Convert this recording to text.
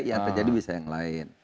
yang terjadi bisa yang lain